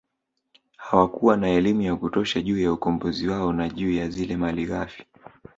Hawakuwa na elimu ya kutosha juu ya ukombozi wao na juu ya zile malighafi